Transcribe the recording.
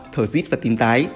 thở rít và tín tái